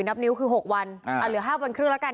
นับนิ้วคือ๖วันเหลือ๕วันครึ่งแล้วกัน